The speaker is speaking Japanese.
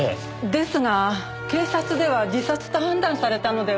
ですが警察では自殺と判断されたのでは？